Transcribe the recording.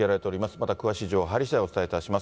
また詳しい情報、入りしだい、お伝えいたします。